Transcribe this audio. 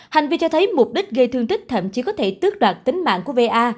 hành vi cho thấy mục đích gây thương tích thậm chí có thể tước đoạt tính mạng của va